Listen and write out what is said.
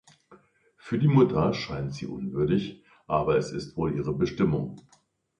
Für die Mutter scheint sie unwürdig, aber es ist wohl ihre Bestimmung.